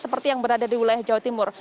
seperti yang berada di wilayah jawa timur